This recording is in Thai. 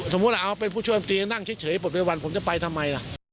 ถ้าเมื่อเราเป็นผู้ช่วยอำเตียงนั่งเฉยประเทศวันผมจะไปทำไมล่ะ